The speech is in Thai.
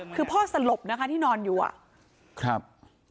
คือพ่อสลบนะคะที่นอนอยู่อ่ะครับ